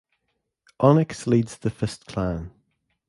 Onyx leads the Fist Clan.